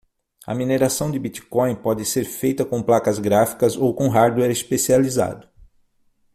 A mineração de Bitcoin pode ser feita com placas gráficas ou com hardware especializado.